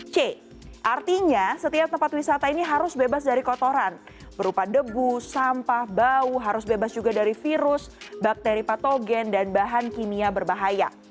c artinya setiap tempat wisata ini harus bebas dari kotoran berupa debu sampah bau harus bebas juga dari virus bakteri patogen dan bahan kimia berbahaya